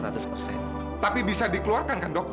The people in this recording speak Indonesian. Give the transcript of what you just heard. tapi bisa dikeluarkan kan dok